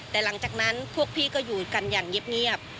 แต่หลังจากนั้นพวกพี่ก็อยู่กันอย่างเงียบ